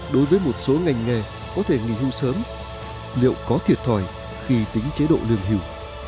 đối với một số ngành nghề có thể nghỉ hưu sớm liệu có thiệt thòi khi tính chế độ lương hưu